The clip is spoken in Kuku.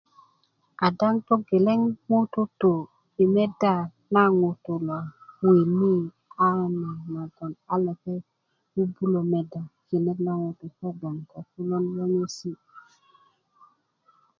a daŋ togeleŋ ŋutu' tu yi medda na ŋutu' lo wini a lopeŋ bubulö medda kinet lo ŋutu' lo ko gboŋ ko kulon yöŋesi'